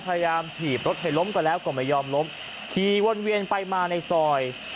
ถีบรถให้ล้มก็แล้วก็ไม่ยอมล้มขี่วนเวียนไปมาในซอย